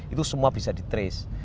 itu semua bisa di trace